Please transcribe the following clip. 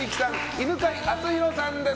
犬飼貴丈さんです。